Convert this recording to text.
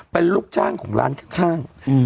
เป็นลูกจ้างของร้านข้างข้างอืม